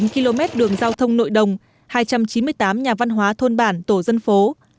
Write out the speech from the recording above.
hai trăm một mươi chín km đường giao thông nội đồng hai trăm chín mươi tám nhà văn hóa thôn bản tổ dân phố